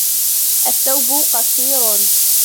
الثَّوْبُ قَصِيرٌ.